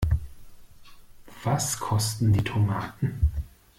Was kosten die Tomaten?